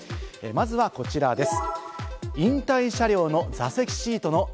まずはこちらです。